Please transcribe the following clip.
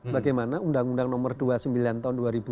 bagaimana undang undang nomor dua puluh sembilan tahun dua ribu dua